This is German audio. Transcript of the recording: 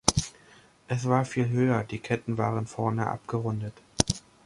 Es war viel höher, die Ketten waren vorne abgerundet.